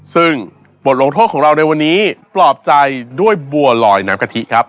ซึ่งบทลงโทษของเราในวันนี้ปลอบใจด้วยบัวลอยน้ำกะทิครับ